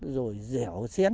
rồi dẻo xét